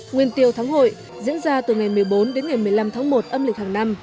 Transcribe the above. nguyên tiêu thắng hội diễn ra từ ngày một mươi bốn đến ngày một mươi năm tháng một âm lịch hàng năm